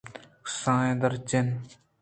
کسانیں ءُ دراجیں